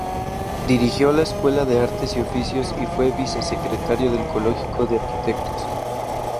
Dirigió la Escuela de Artes y Oficios y fue vicesecretario del Colegio de Arquitectos.